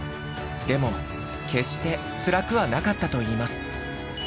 でも決してつらくはなかったといいます。